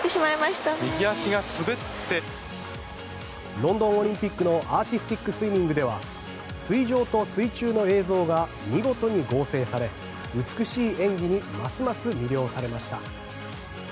ロンドンオリンピックのアーティスティックスイミングでは水上と水中の映像が見事に合成され美しい演技にますます魅了されました。